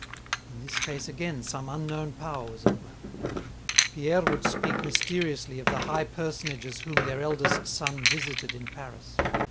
In this case again some unknown power was at work. Pierre would speak mysteriously of the high personages whom their eldest son visited in Paris.